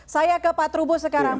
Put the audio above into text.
saya ke pak trubus sekarang